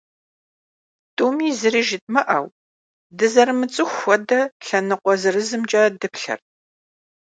Тӏуми зыри жыдмыӏэу, дызэрымыцӏыху хуэдэ, лъэныкъуэ зырызымкӏэ дыплъэрт.